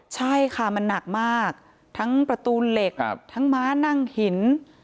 ใช่ค่ะมันหนักมากทั้งประตูเหล็กทั้งม้านั่งหิน